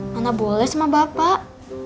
mana boleh sama bapak